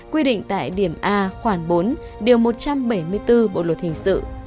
quy định tại điểm a khoảng bốn điều một trăm bảy mươi bốn bộ luật hình sự